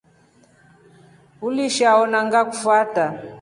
Uliisha ona ngakufata.